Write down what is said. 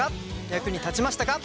役に立ちましたか？